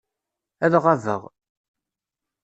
Ad ɣabeɣ.